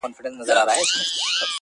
په پنځمه ورځ مور له کور څخه ذهناً وځي,